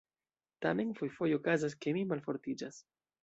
Tamen fojfoje okazas, ke mi malfortiĝas..